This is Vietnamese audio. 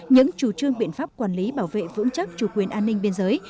những chủ trương biện pháp quản lý bảo vệ vững chắc chủ quyền an ninh biên giới